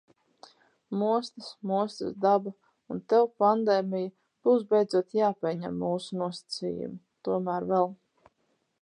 Mostas, mostas daba, un tev, pandēmija, būs beidzot jāpieņem mūsu nosacījumi. Tomēr vēl.